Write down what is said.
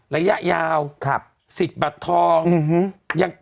ระยะยาวสิทธิ์บัตรทอง